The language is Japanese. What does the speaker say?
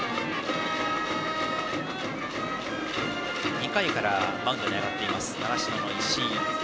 ２回からマウンドに上がっています、習志野の石井。